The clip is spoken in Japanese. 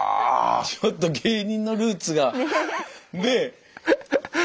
ちょっと芸人のルーツがねえ。